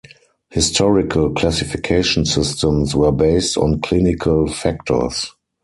Historical classification systems were based on clinical factors.